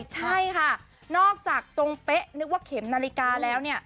ใช่ค่ะนอกจากตรงเป๊ะนึกว่าเข็มนาฬิกาแล้วเนี่ย